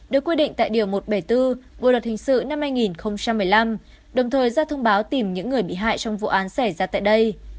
được quy định tại điều một trăm bảy mươi bốn bộ luật hình sự năm hai nghìn một mươi năm đồng thời ra thông báo tìm những người bị hại trong vụ án xảy ra tại đây